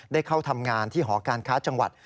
ได้เข้าทำงานที่หอการค้าจังหวัด